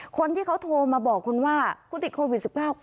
คนที่เขาโทรมาบอกคุณว่าคุณติดโควิด๑๙